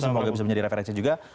semoga bisa menjadi referensi juga